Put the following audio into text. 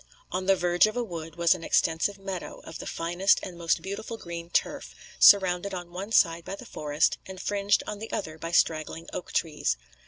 On the verge of a wood was an extensive meadow, of the finest and most beautiful green turf, surrounded on one side by the forest, and fringed on the other by straggling oak trees.